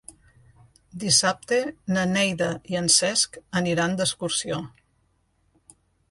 Dissabte na Neida i en Cesc aniran d'excursió.